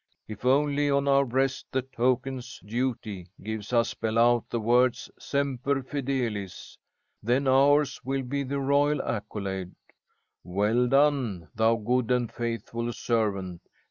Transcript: If only on our breasts the tokens Duty gives us spell out the words, 'semper fidelis,' then ours will be the royal accolade: 'Well done, thou good and faithful servant.